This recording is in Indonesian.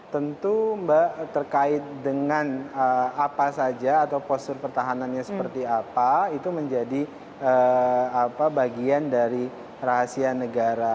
tentu mbak terkait dengan apa saja atau postur pertahanannya seperti apa itu menjadi bagian dari rahasia negara